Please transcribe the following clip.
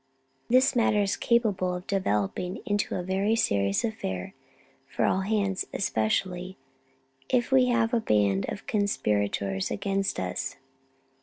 This matter is capable of developing into a very serious affair for all hands, especially if we have a band of conspirators against us."